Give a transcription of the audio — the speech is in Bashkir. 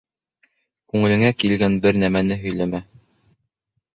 Күңелеңә килгән бер нәмәне һөйләмә.